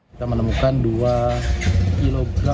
kita menemukan dua kg